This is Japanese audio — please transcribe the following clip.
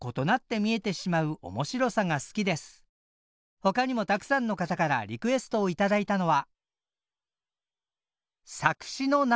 ほかにもたくさんの方からリクエストを頂いたのは。